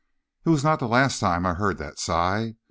"It was not the last time I heard that sigh.